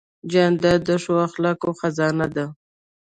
جانداد د ښو اخلاقو خزانه ده.